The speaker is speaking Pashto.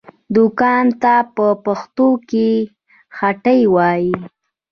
دوکان ته په پښتو کې هټۍ وايي